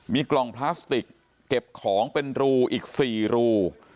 มีกล่องพลาสติกเก็บของเป็นรูอีก๔รู